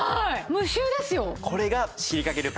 無臭ですよ！